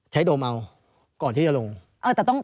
โดมเอาก่อนที่จะลง